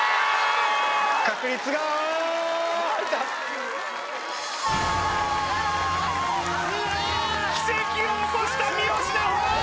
確率が奇跡を起こした三好南穂！